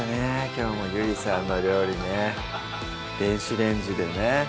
きょうもゆりさんの料理ね電子レンジでね